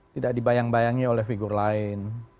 tidak dibayang bayangi oleh figur lain